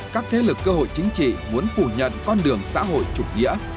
các thế lực cơ hội chính trị muốn phủ nhận con đường xã hội chủ nghĩa